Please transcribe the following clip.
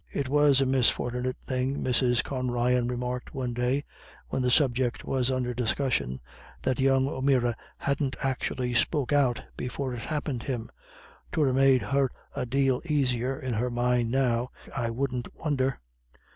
"It was a misfort'nit thing," Mrs. Con Ryan remarked one day, when the subject was under discussion, "that young O'Meara hadn't actually spoke out before it happint thim. 'Twould ha' made her a dale aisier in her mind now, I wouldn't won'er.